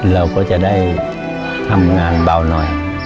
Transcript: เราก็จะได้ทำงานเบาหน่อย